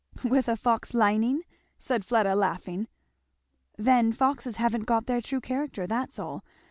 "With a fox lining?" said Fleda laughing. "Then foxes haven't got their true character, that's all.